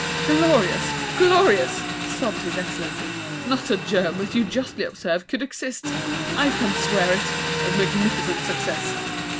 'Glorious! Glorious!' sobbed His Excellency. 'Not a germ, as you justly observe, could exist! I can swear it. A magnificent success!'